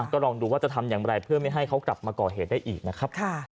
ก็ลองดูว่าจะทำอย่างไรเพื่อไม่ให้เขากลับมาก่อเหตุได้อีกนะครับ